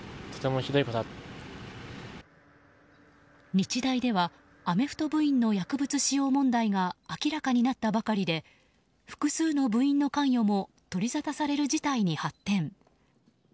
日大ではアメフト部員の薬物使用問題が明らかになったばかりで複数の部員の関与も取りざたされる事態に発展。